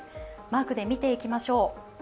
マークで見ていきましょう。